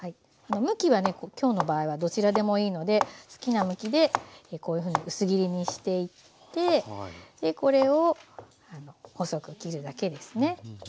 向きはね今日の場合はどちらでもいいので好きな向きでこういうふうに薄切りにしていってでこれを細く切るだけですね。